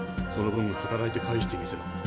その分働いて返してみせろ。